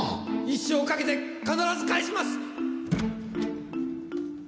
一生かけて必ず返します！